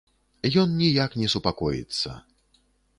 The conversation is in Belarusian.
Ён ніяк не супакоіцца.